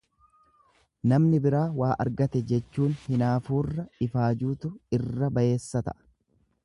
Namni biraa waa argate jechuun hinaafuurra ifaajuutu irra bayeessa ta'a.